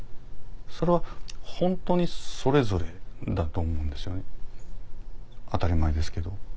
それは本当にそれぞれだと思うんですよね当たり前ですけど。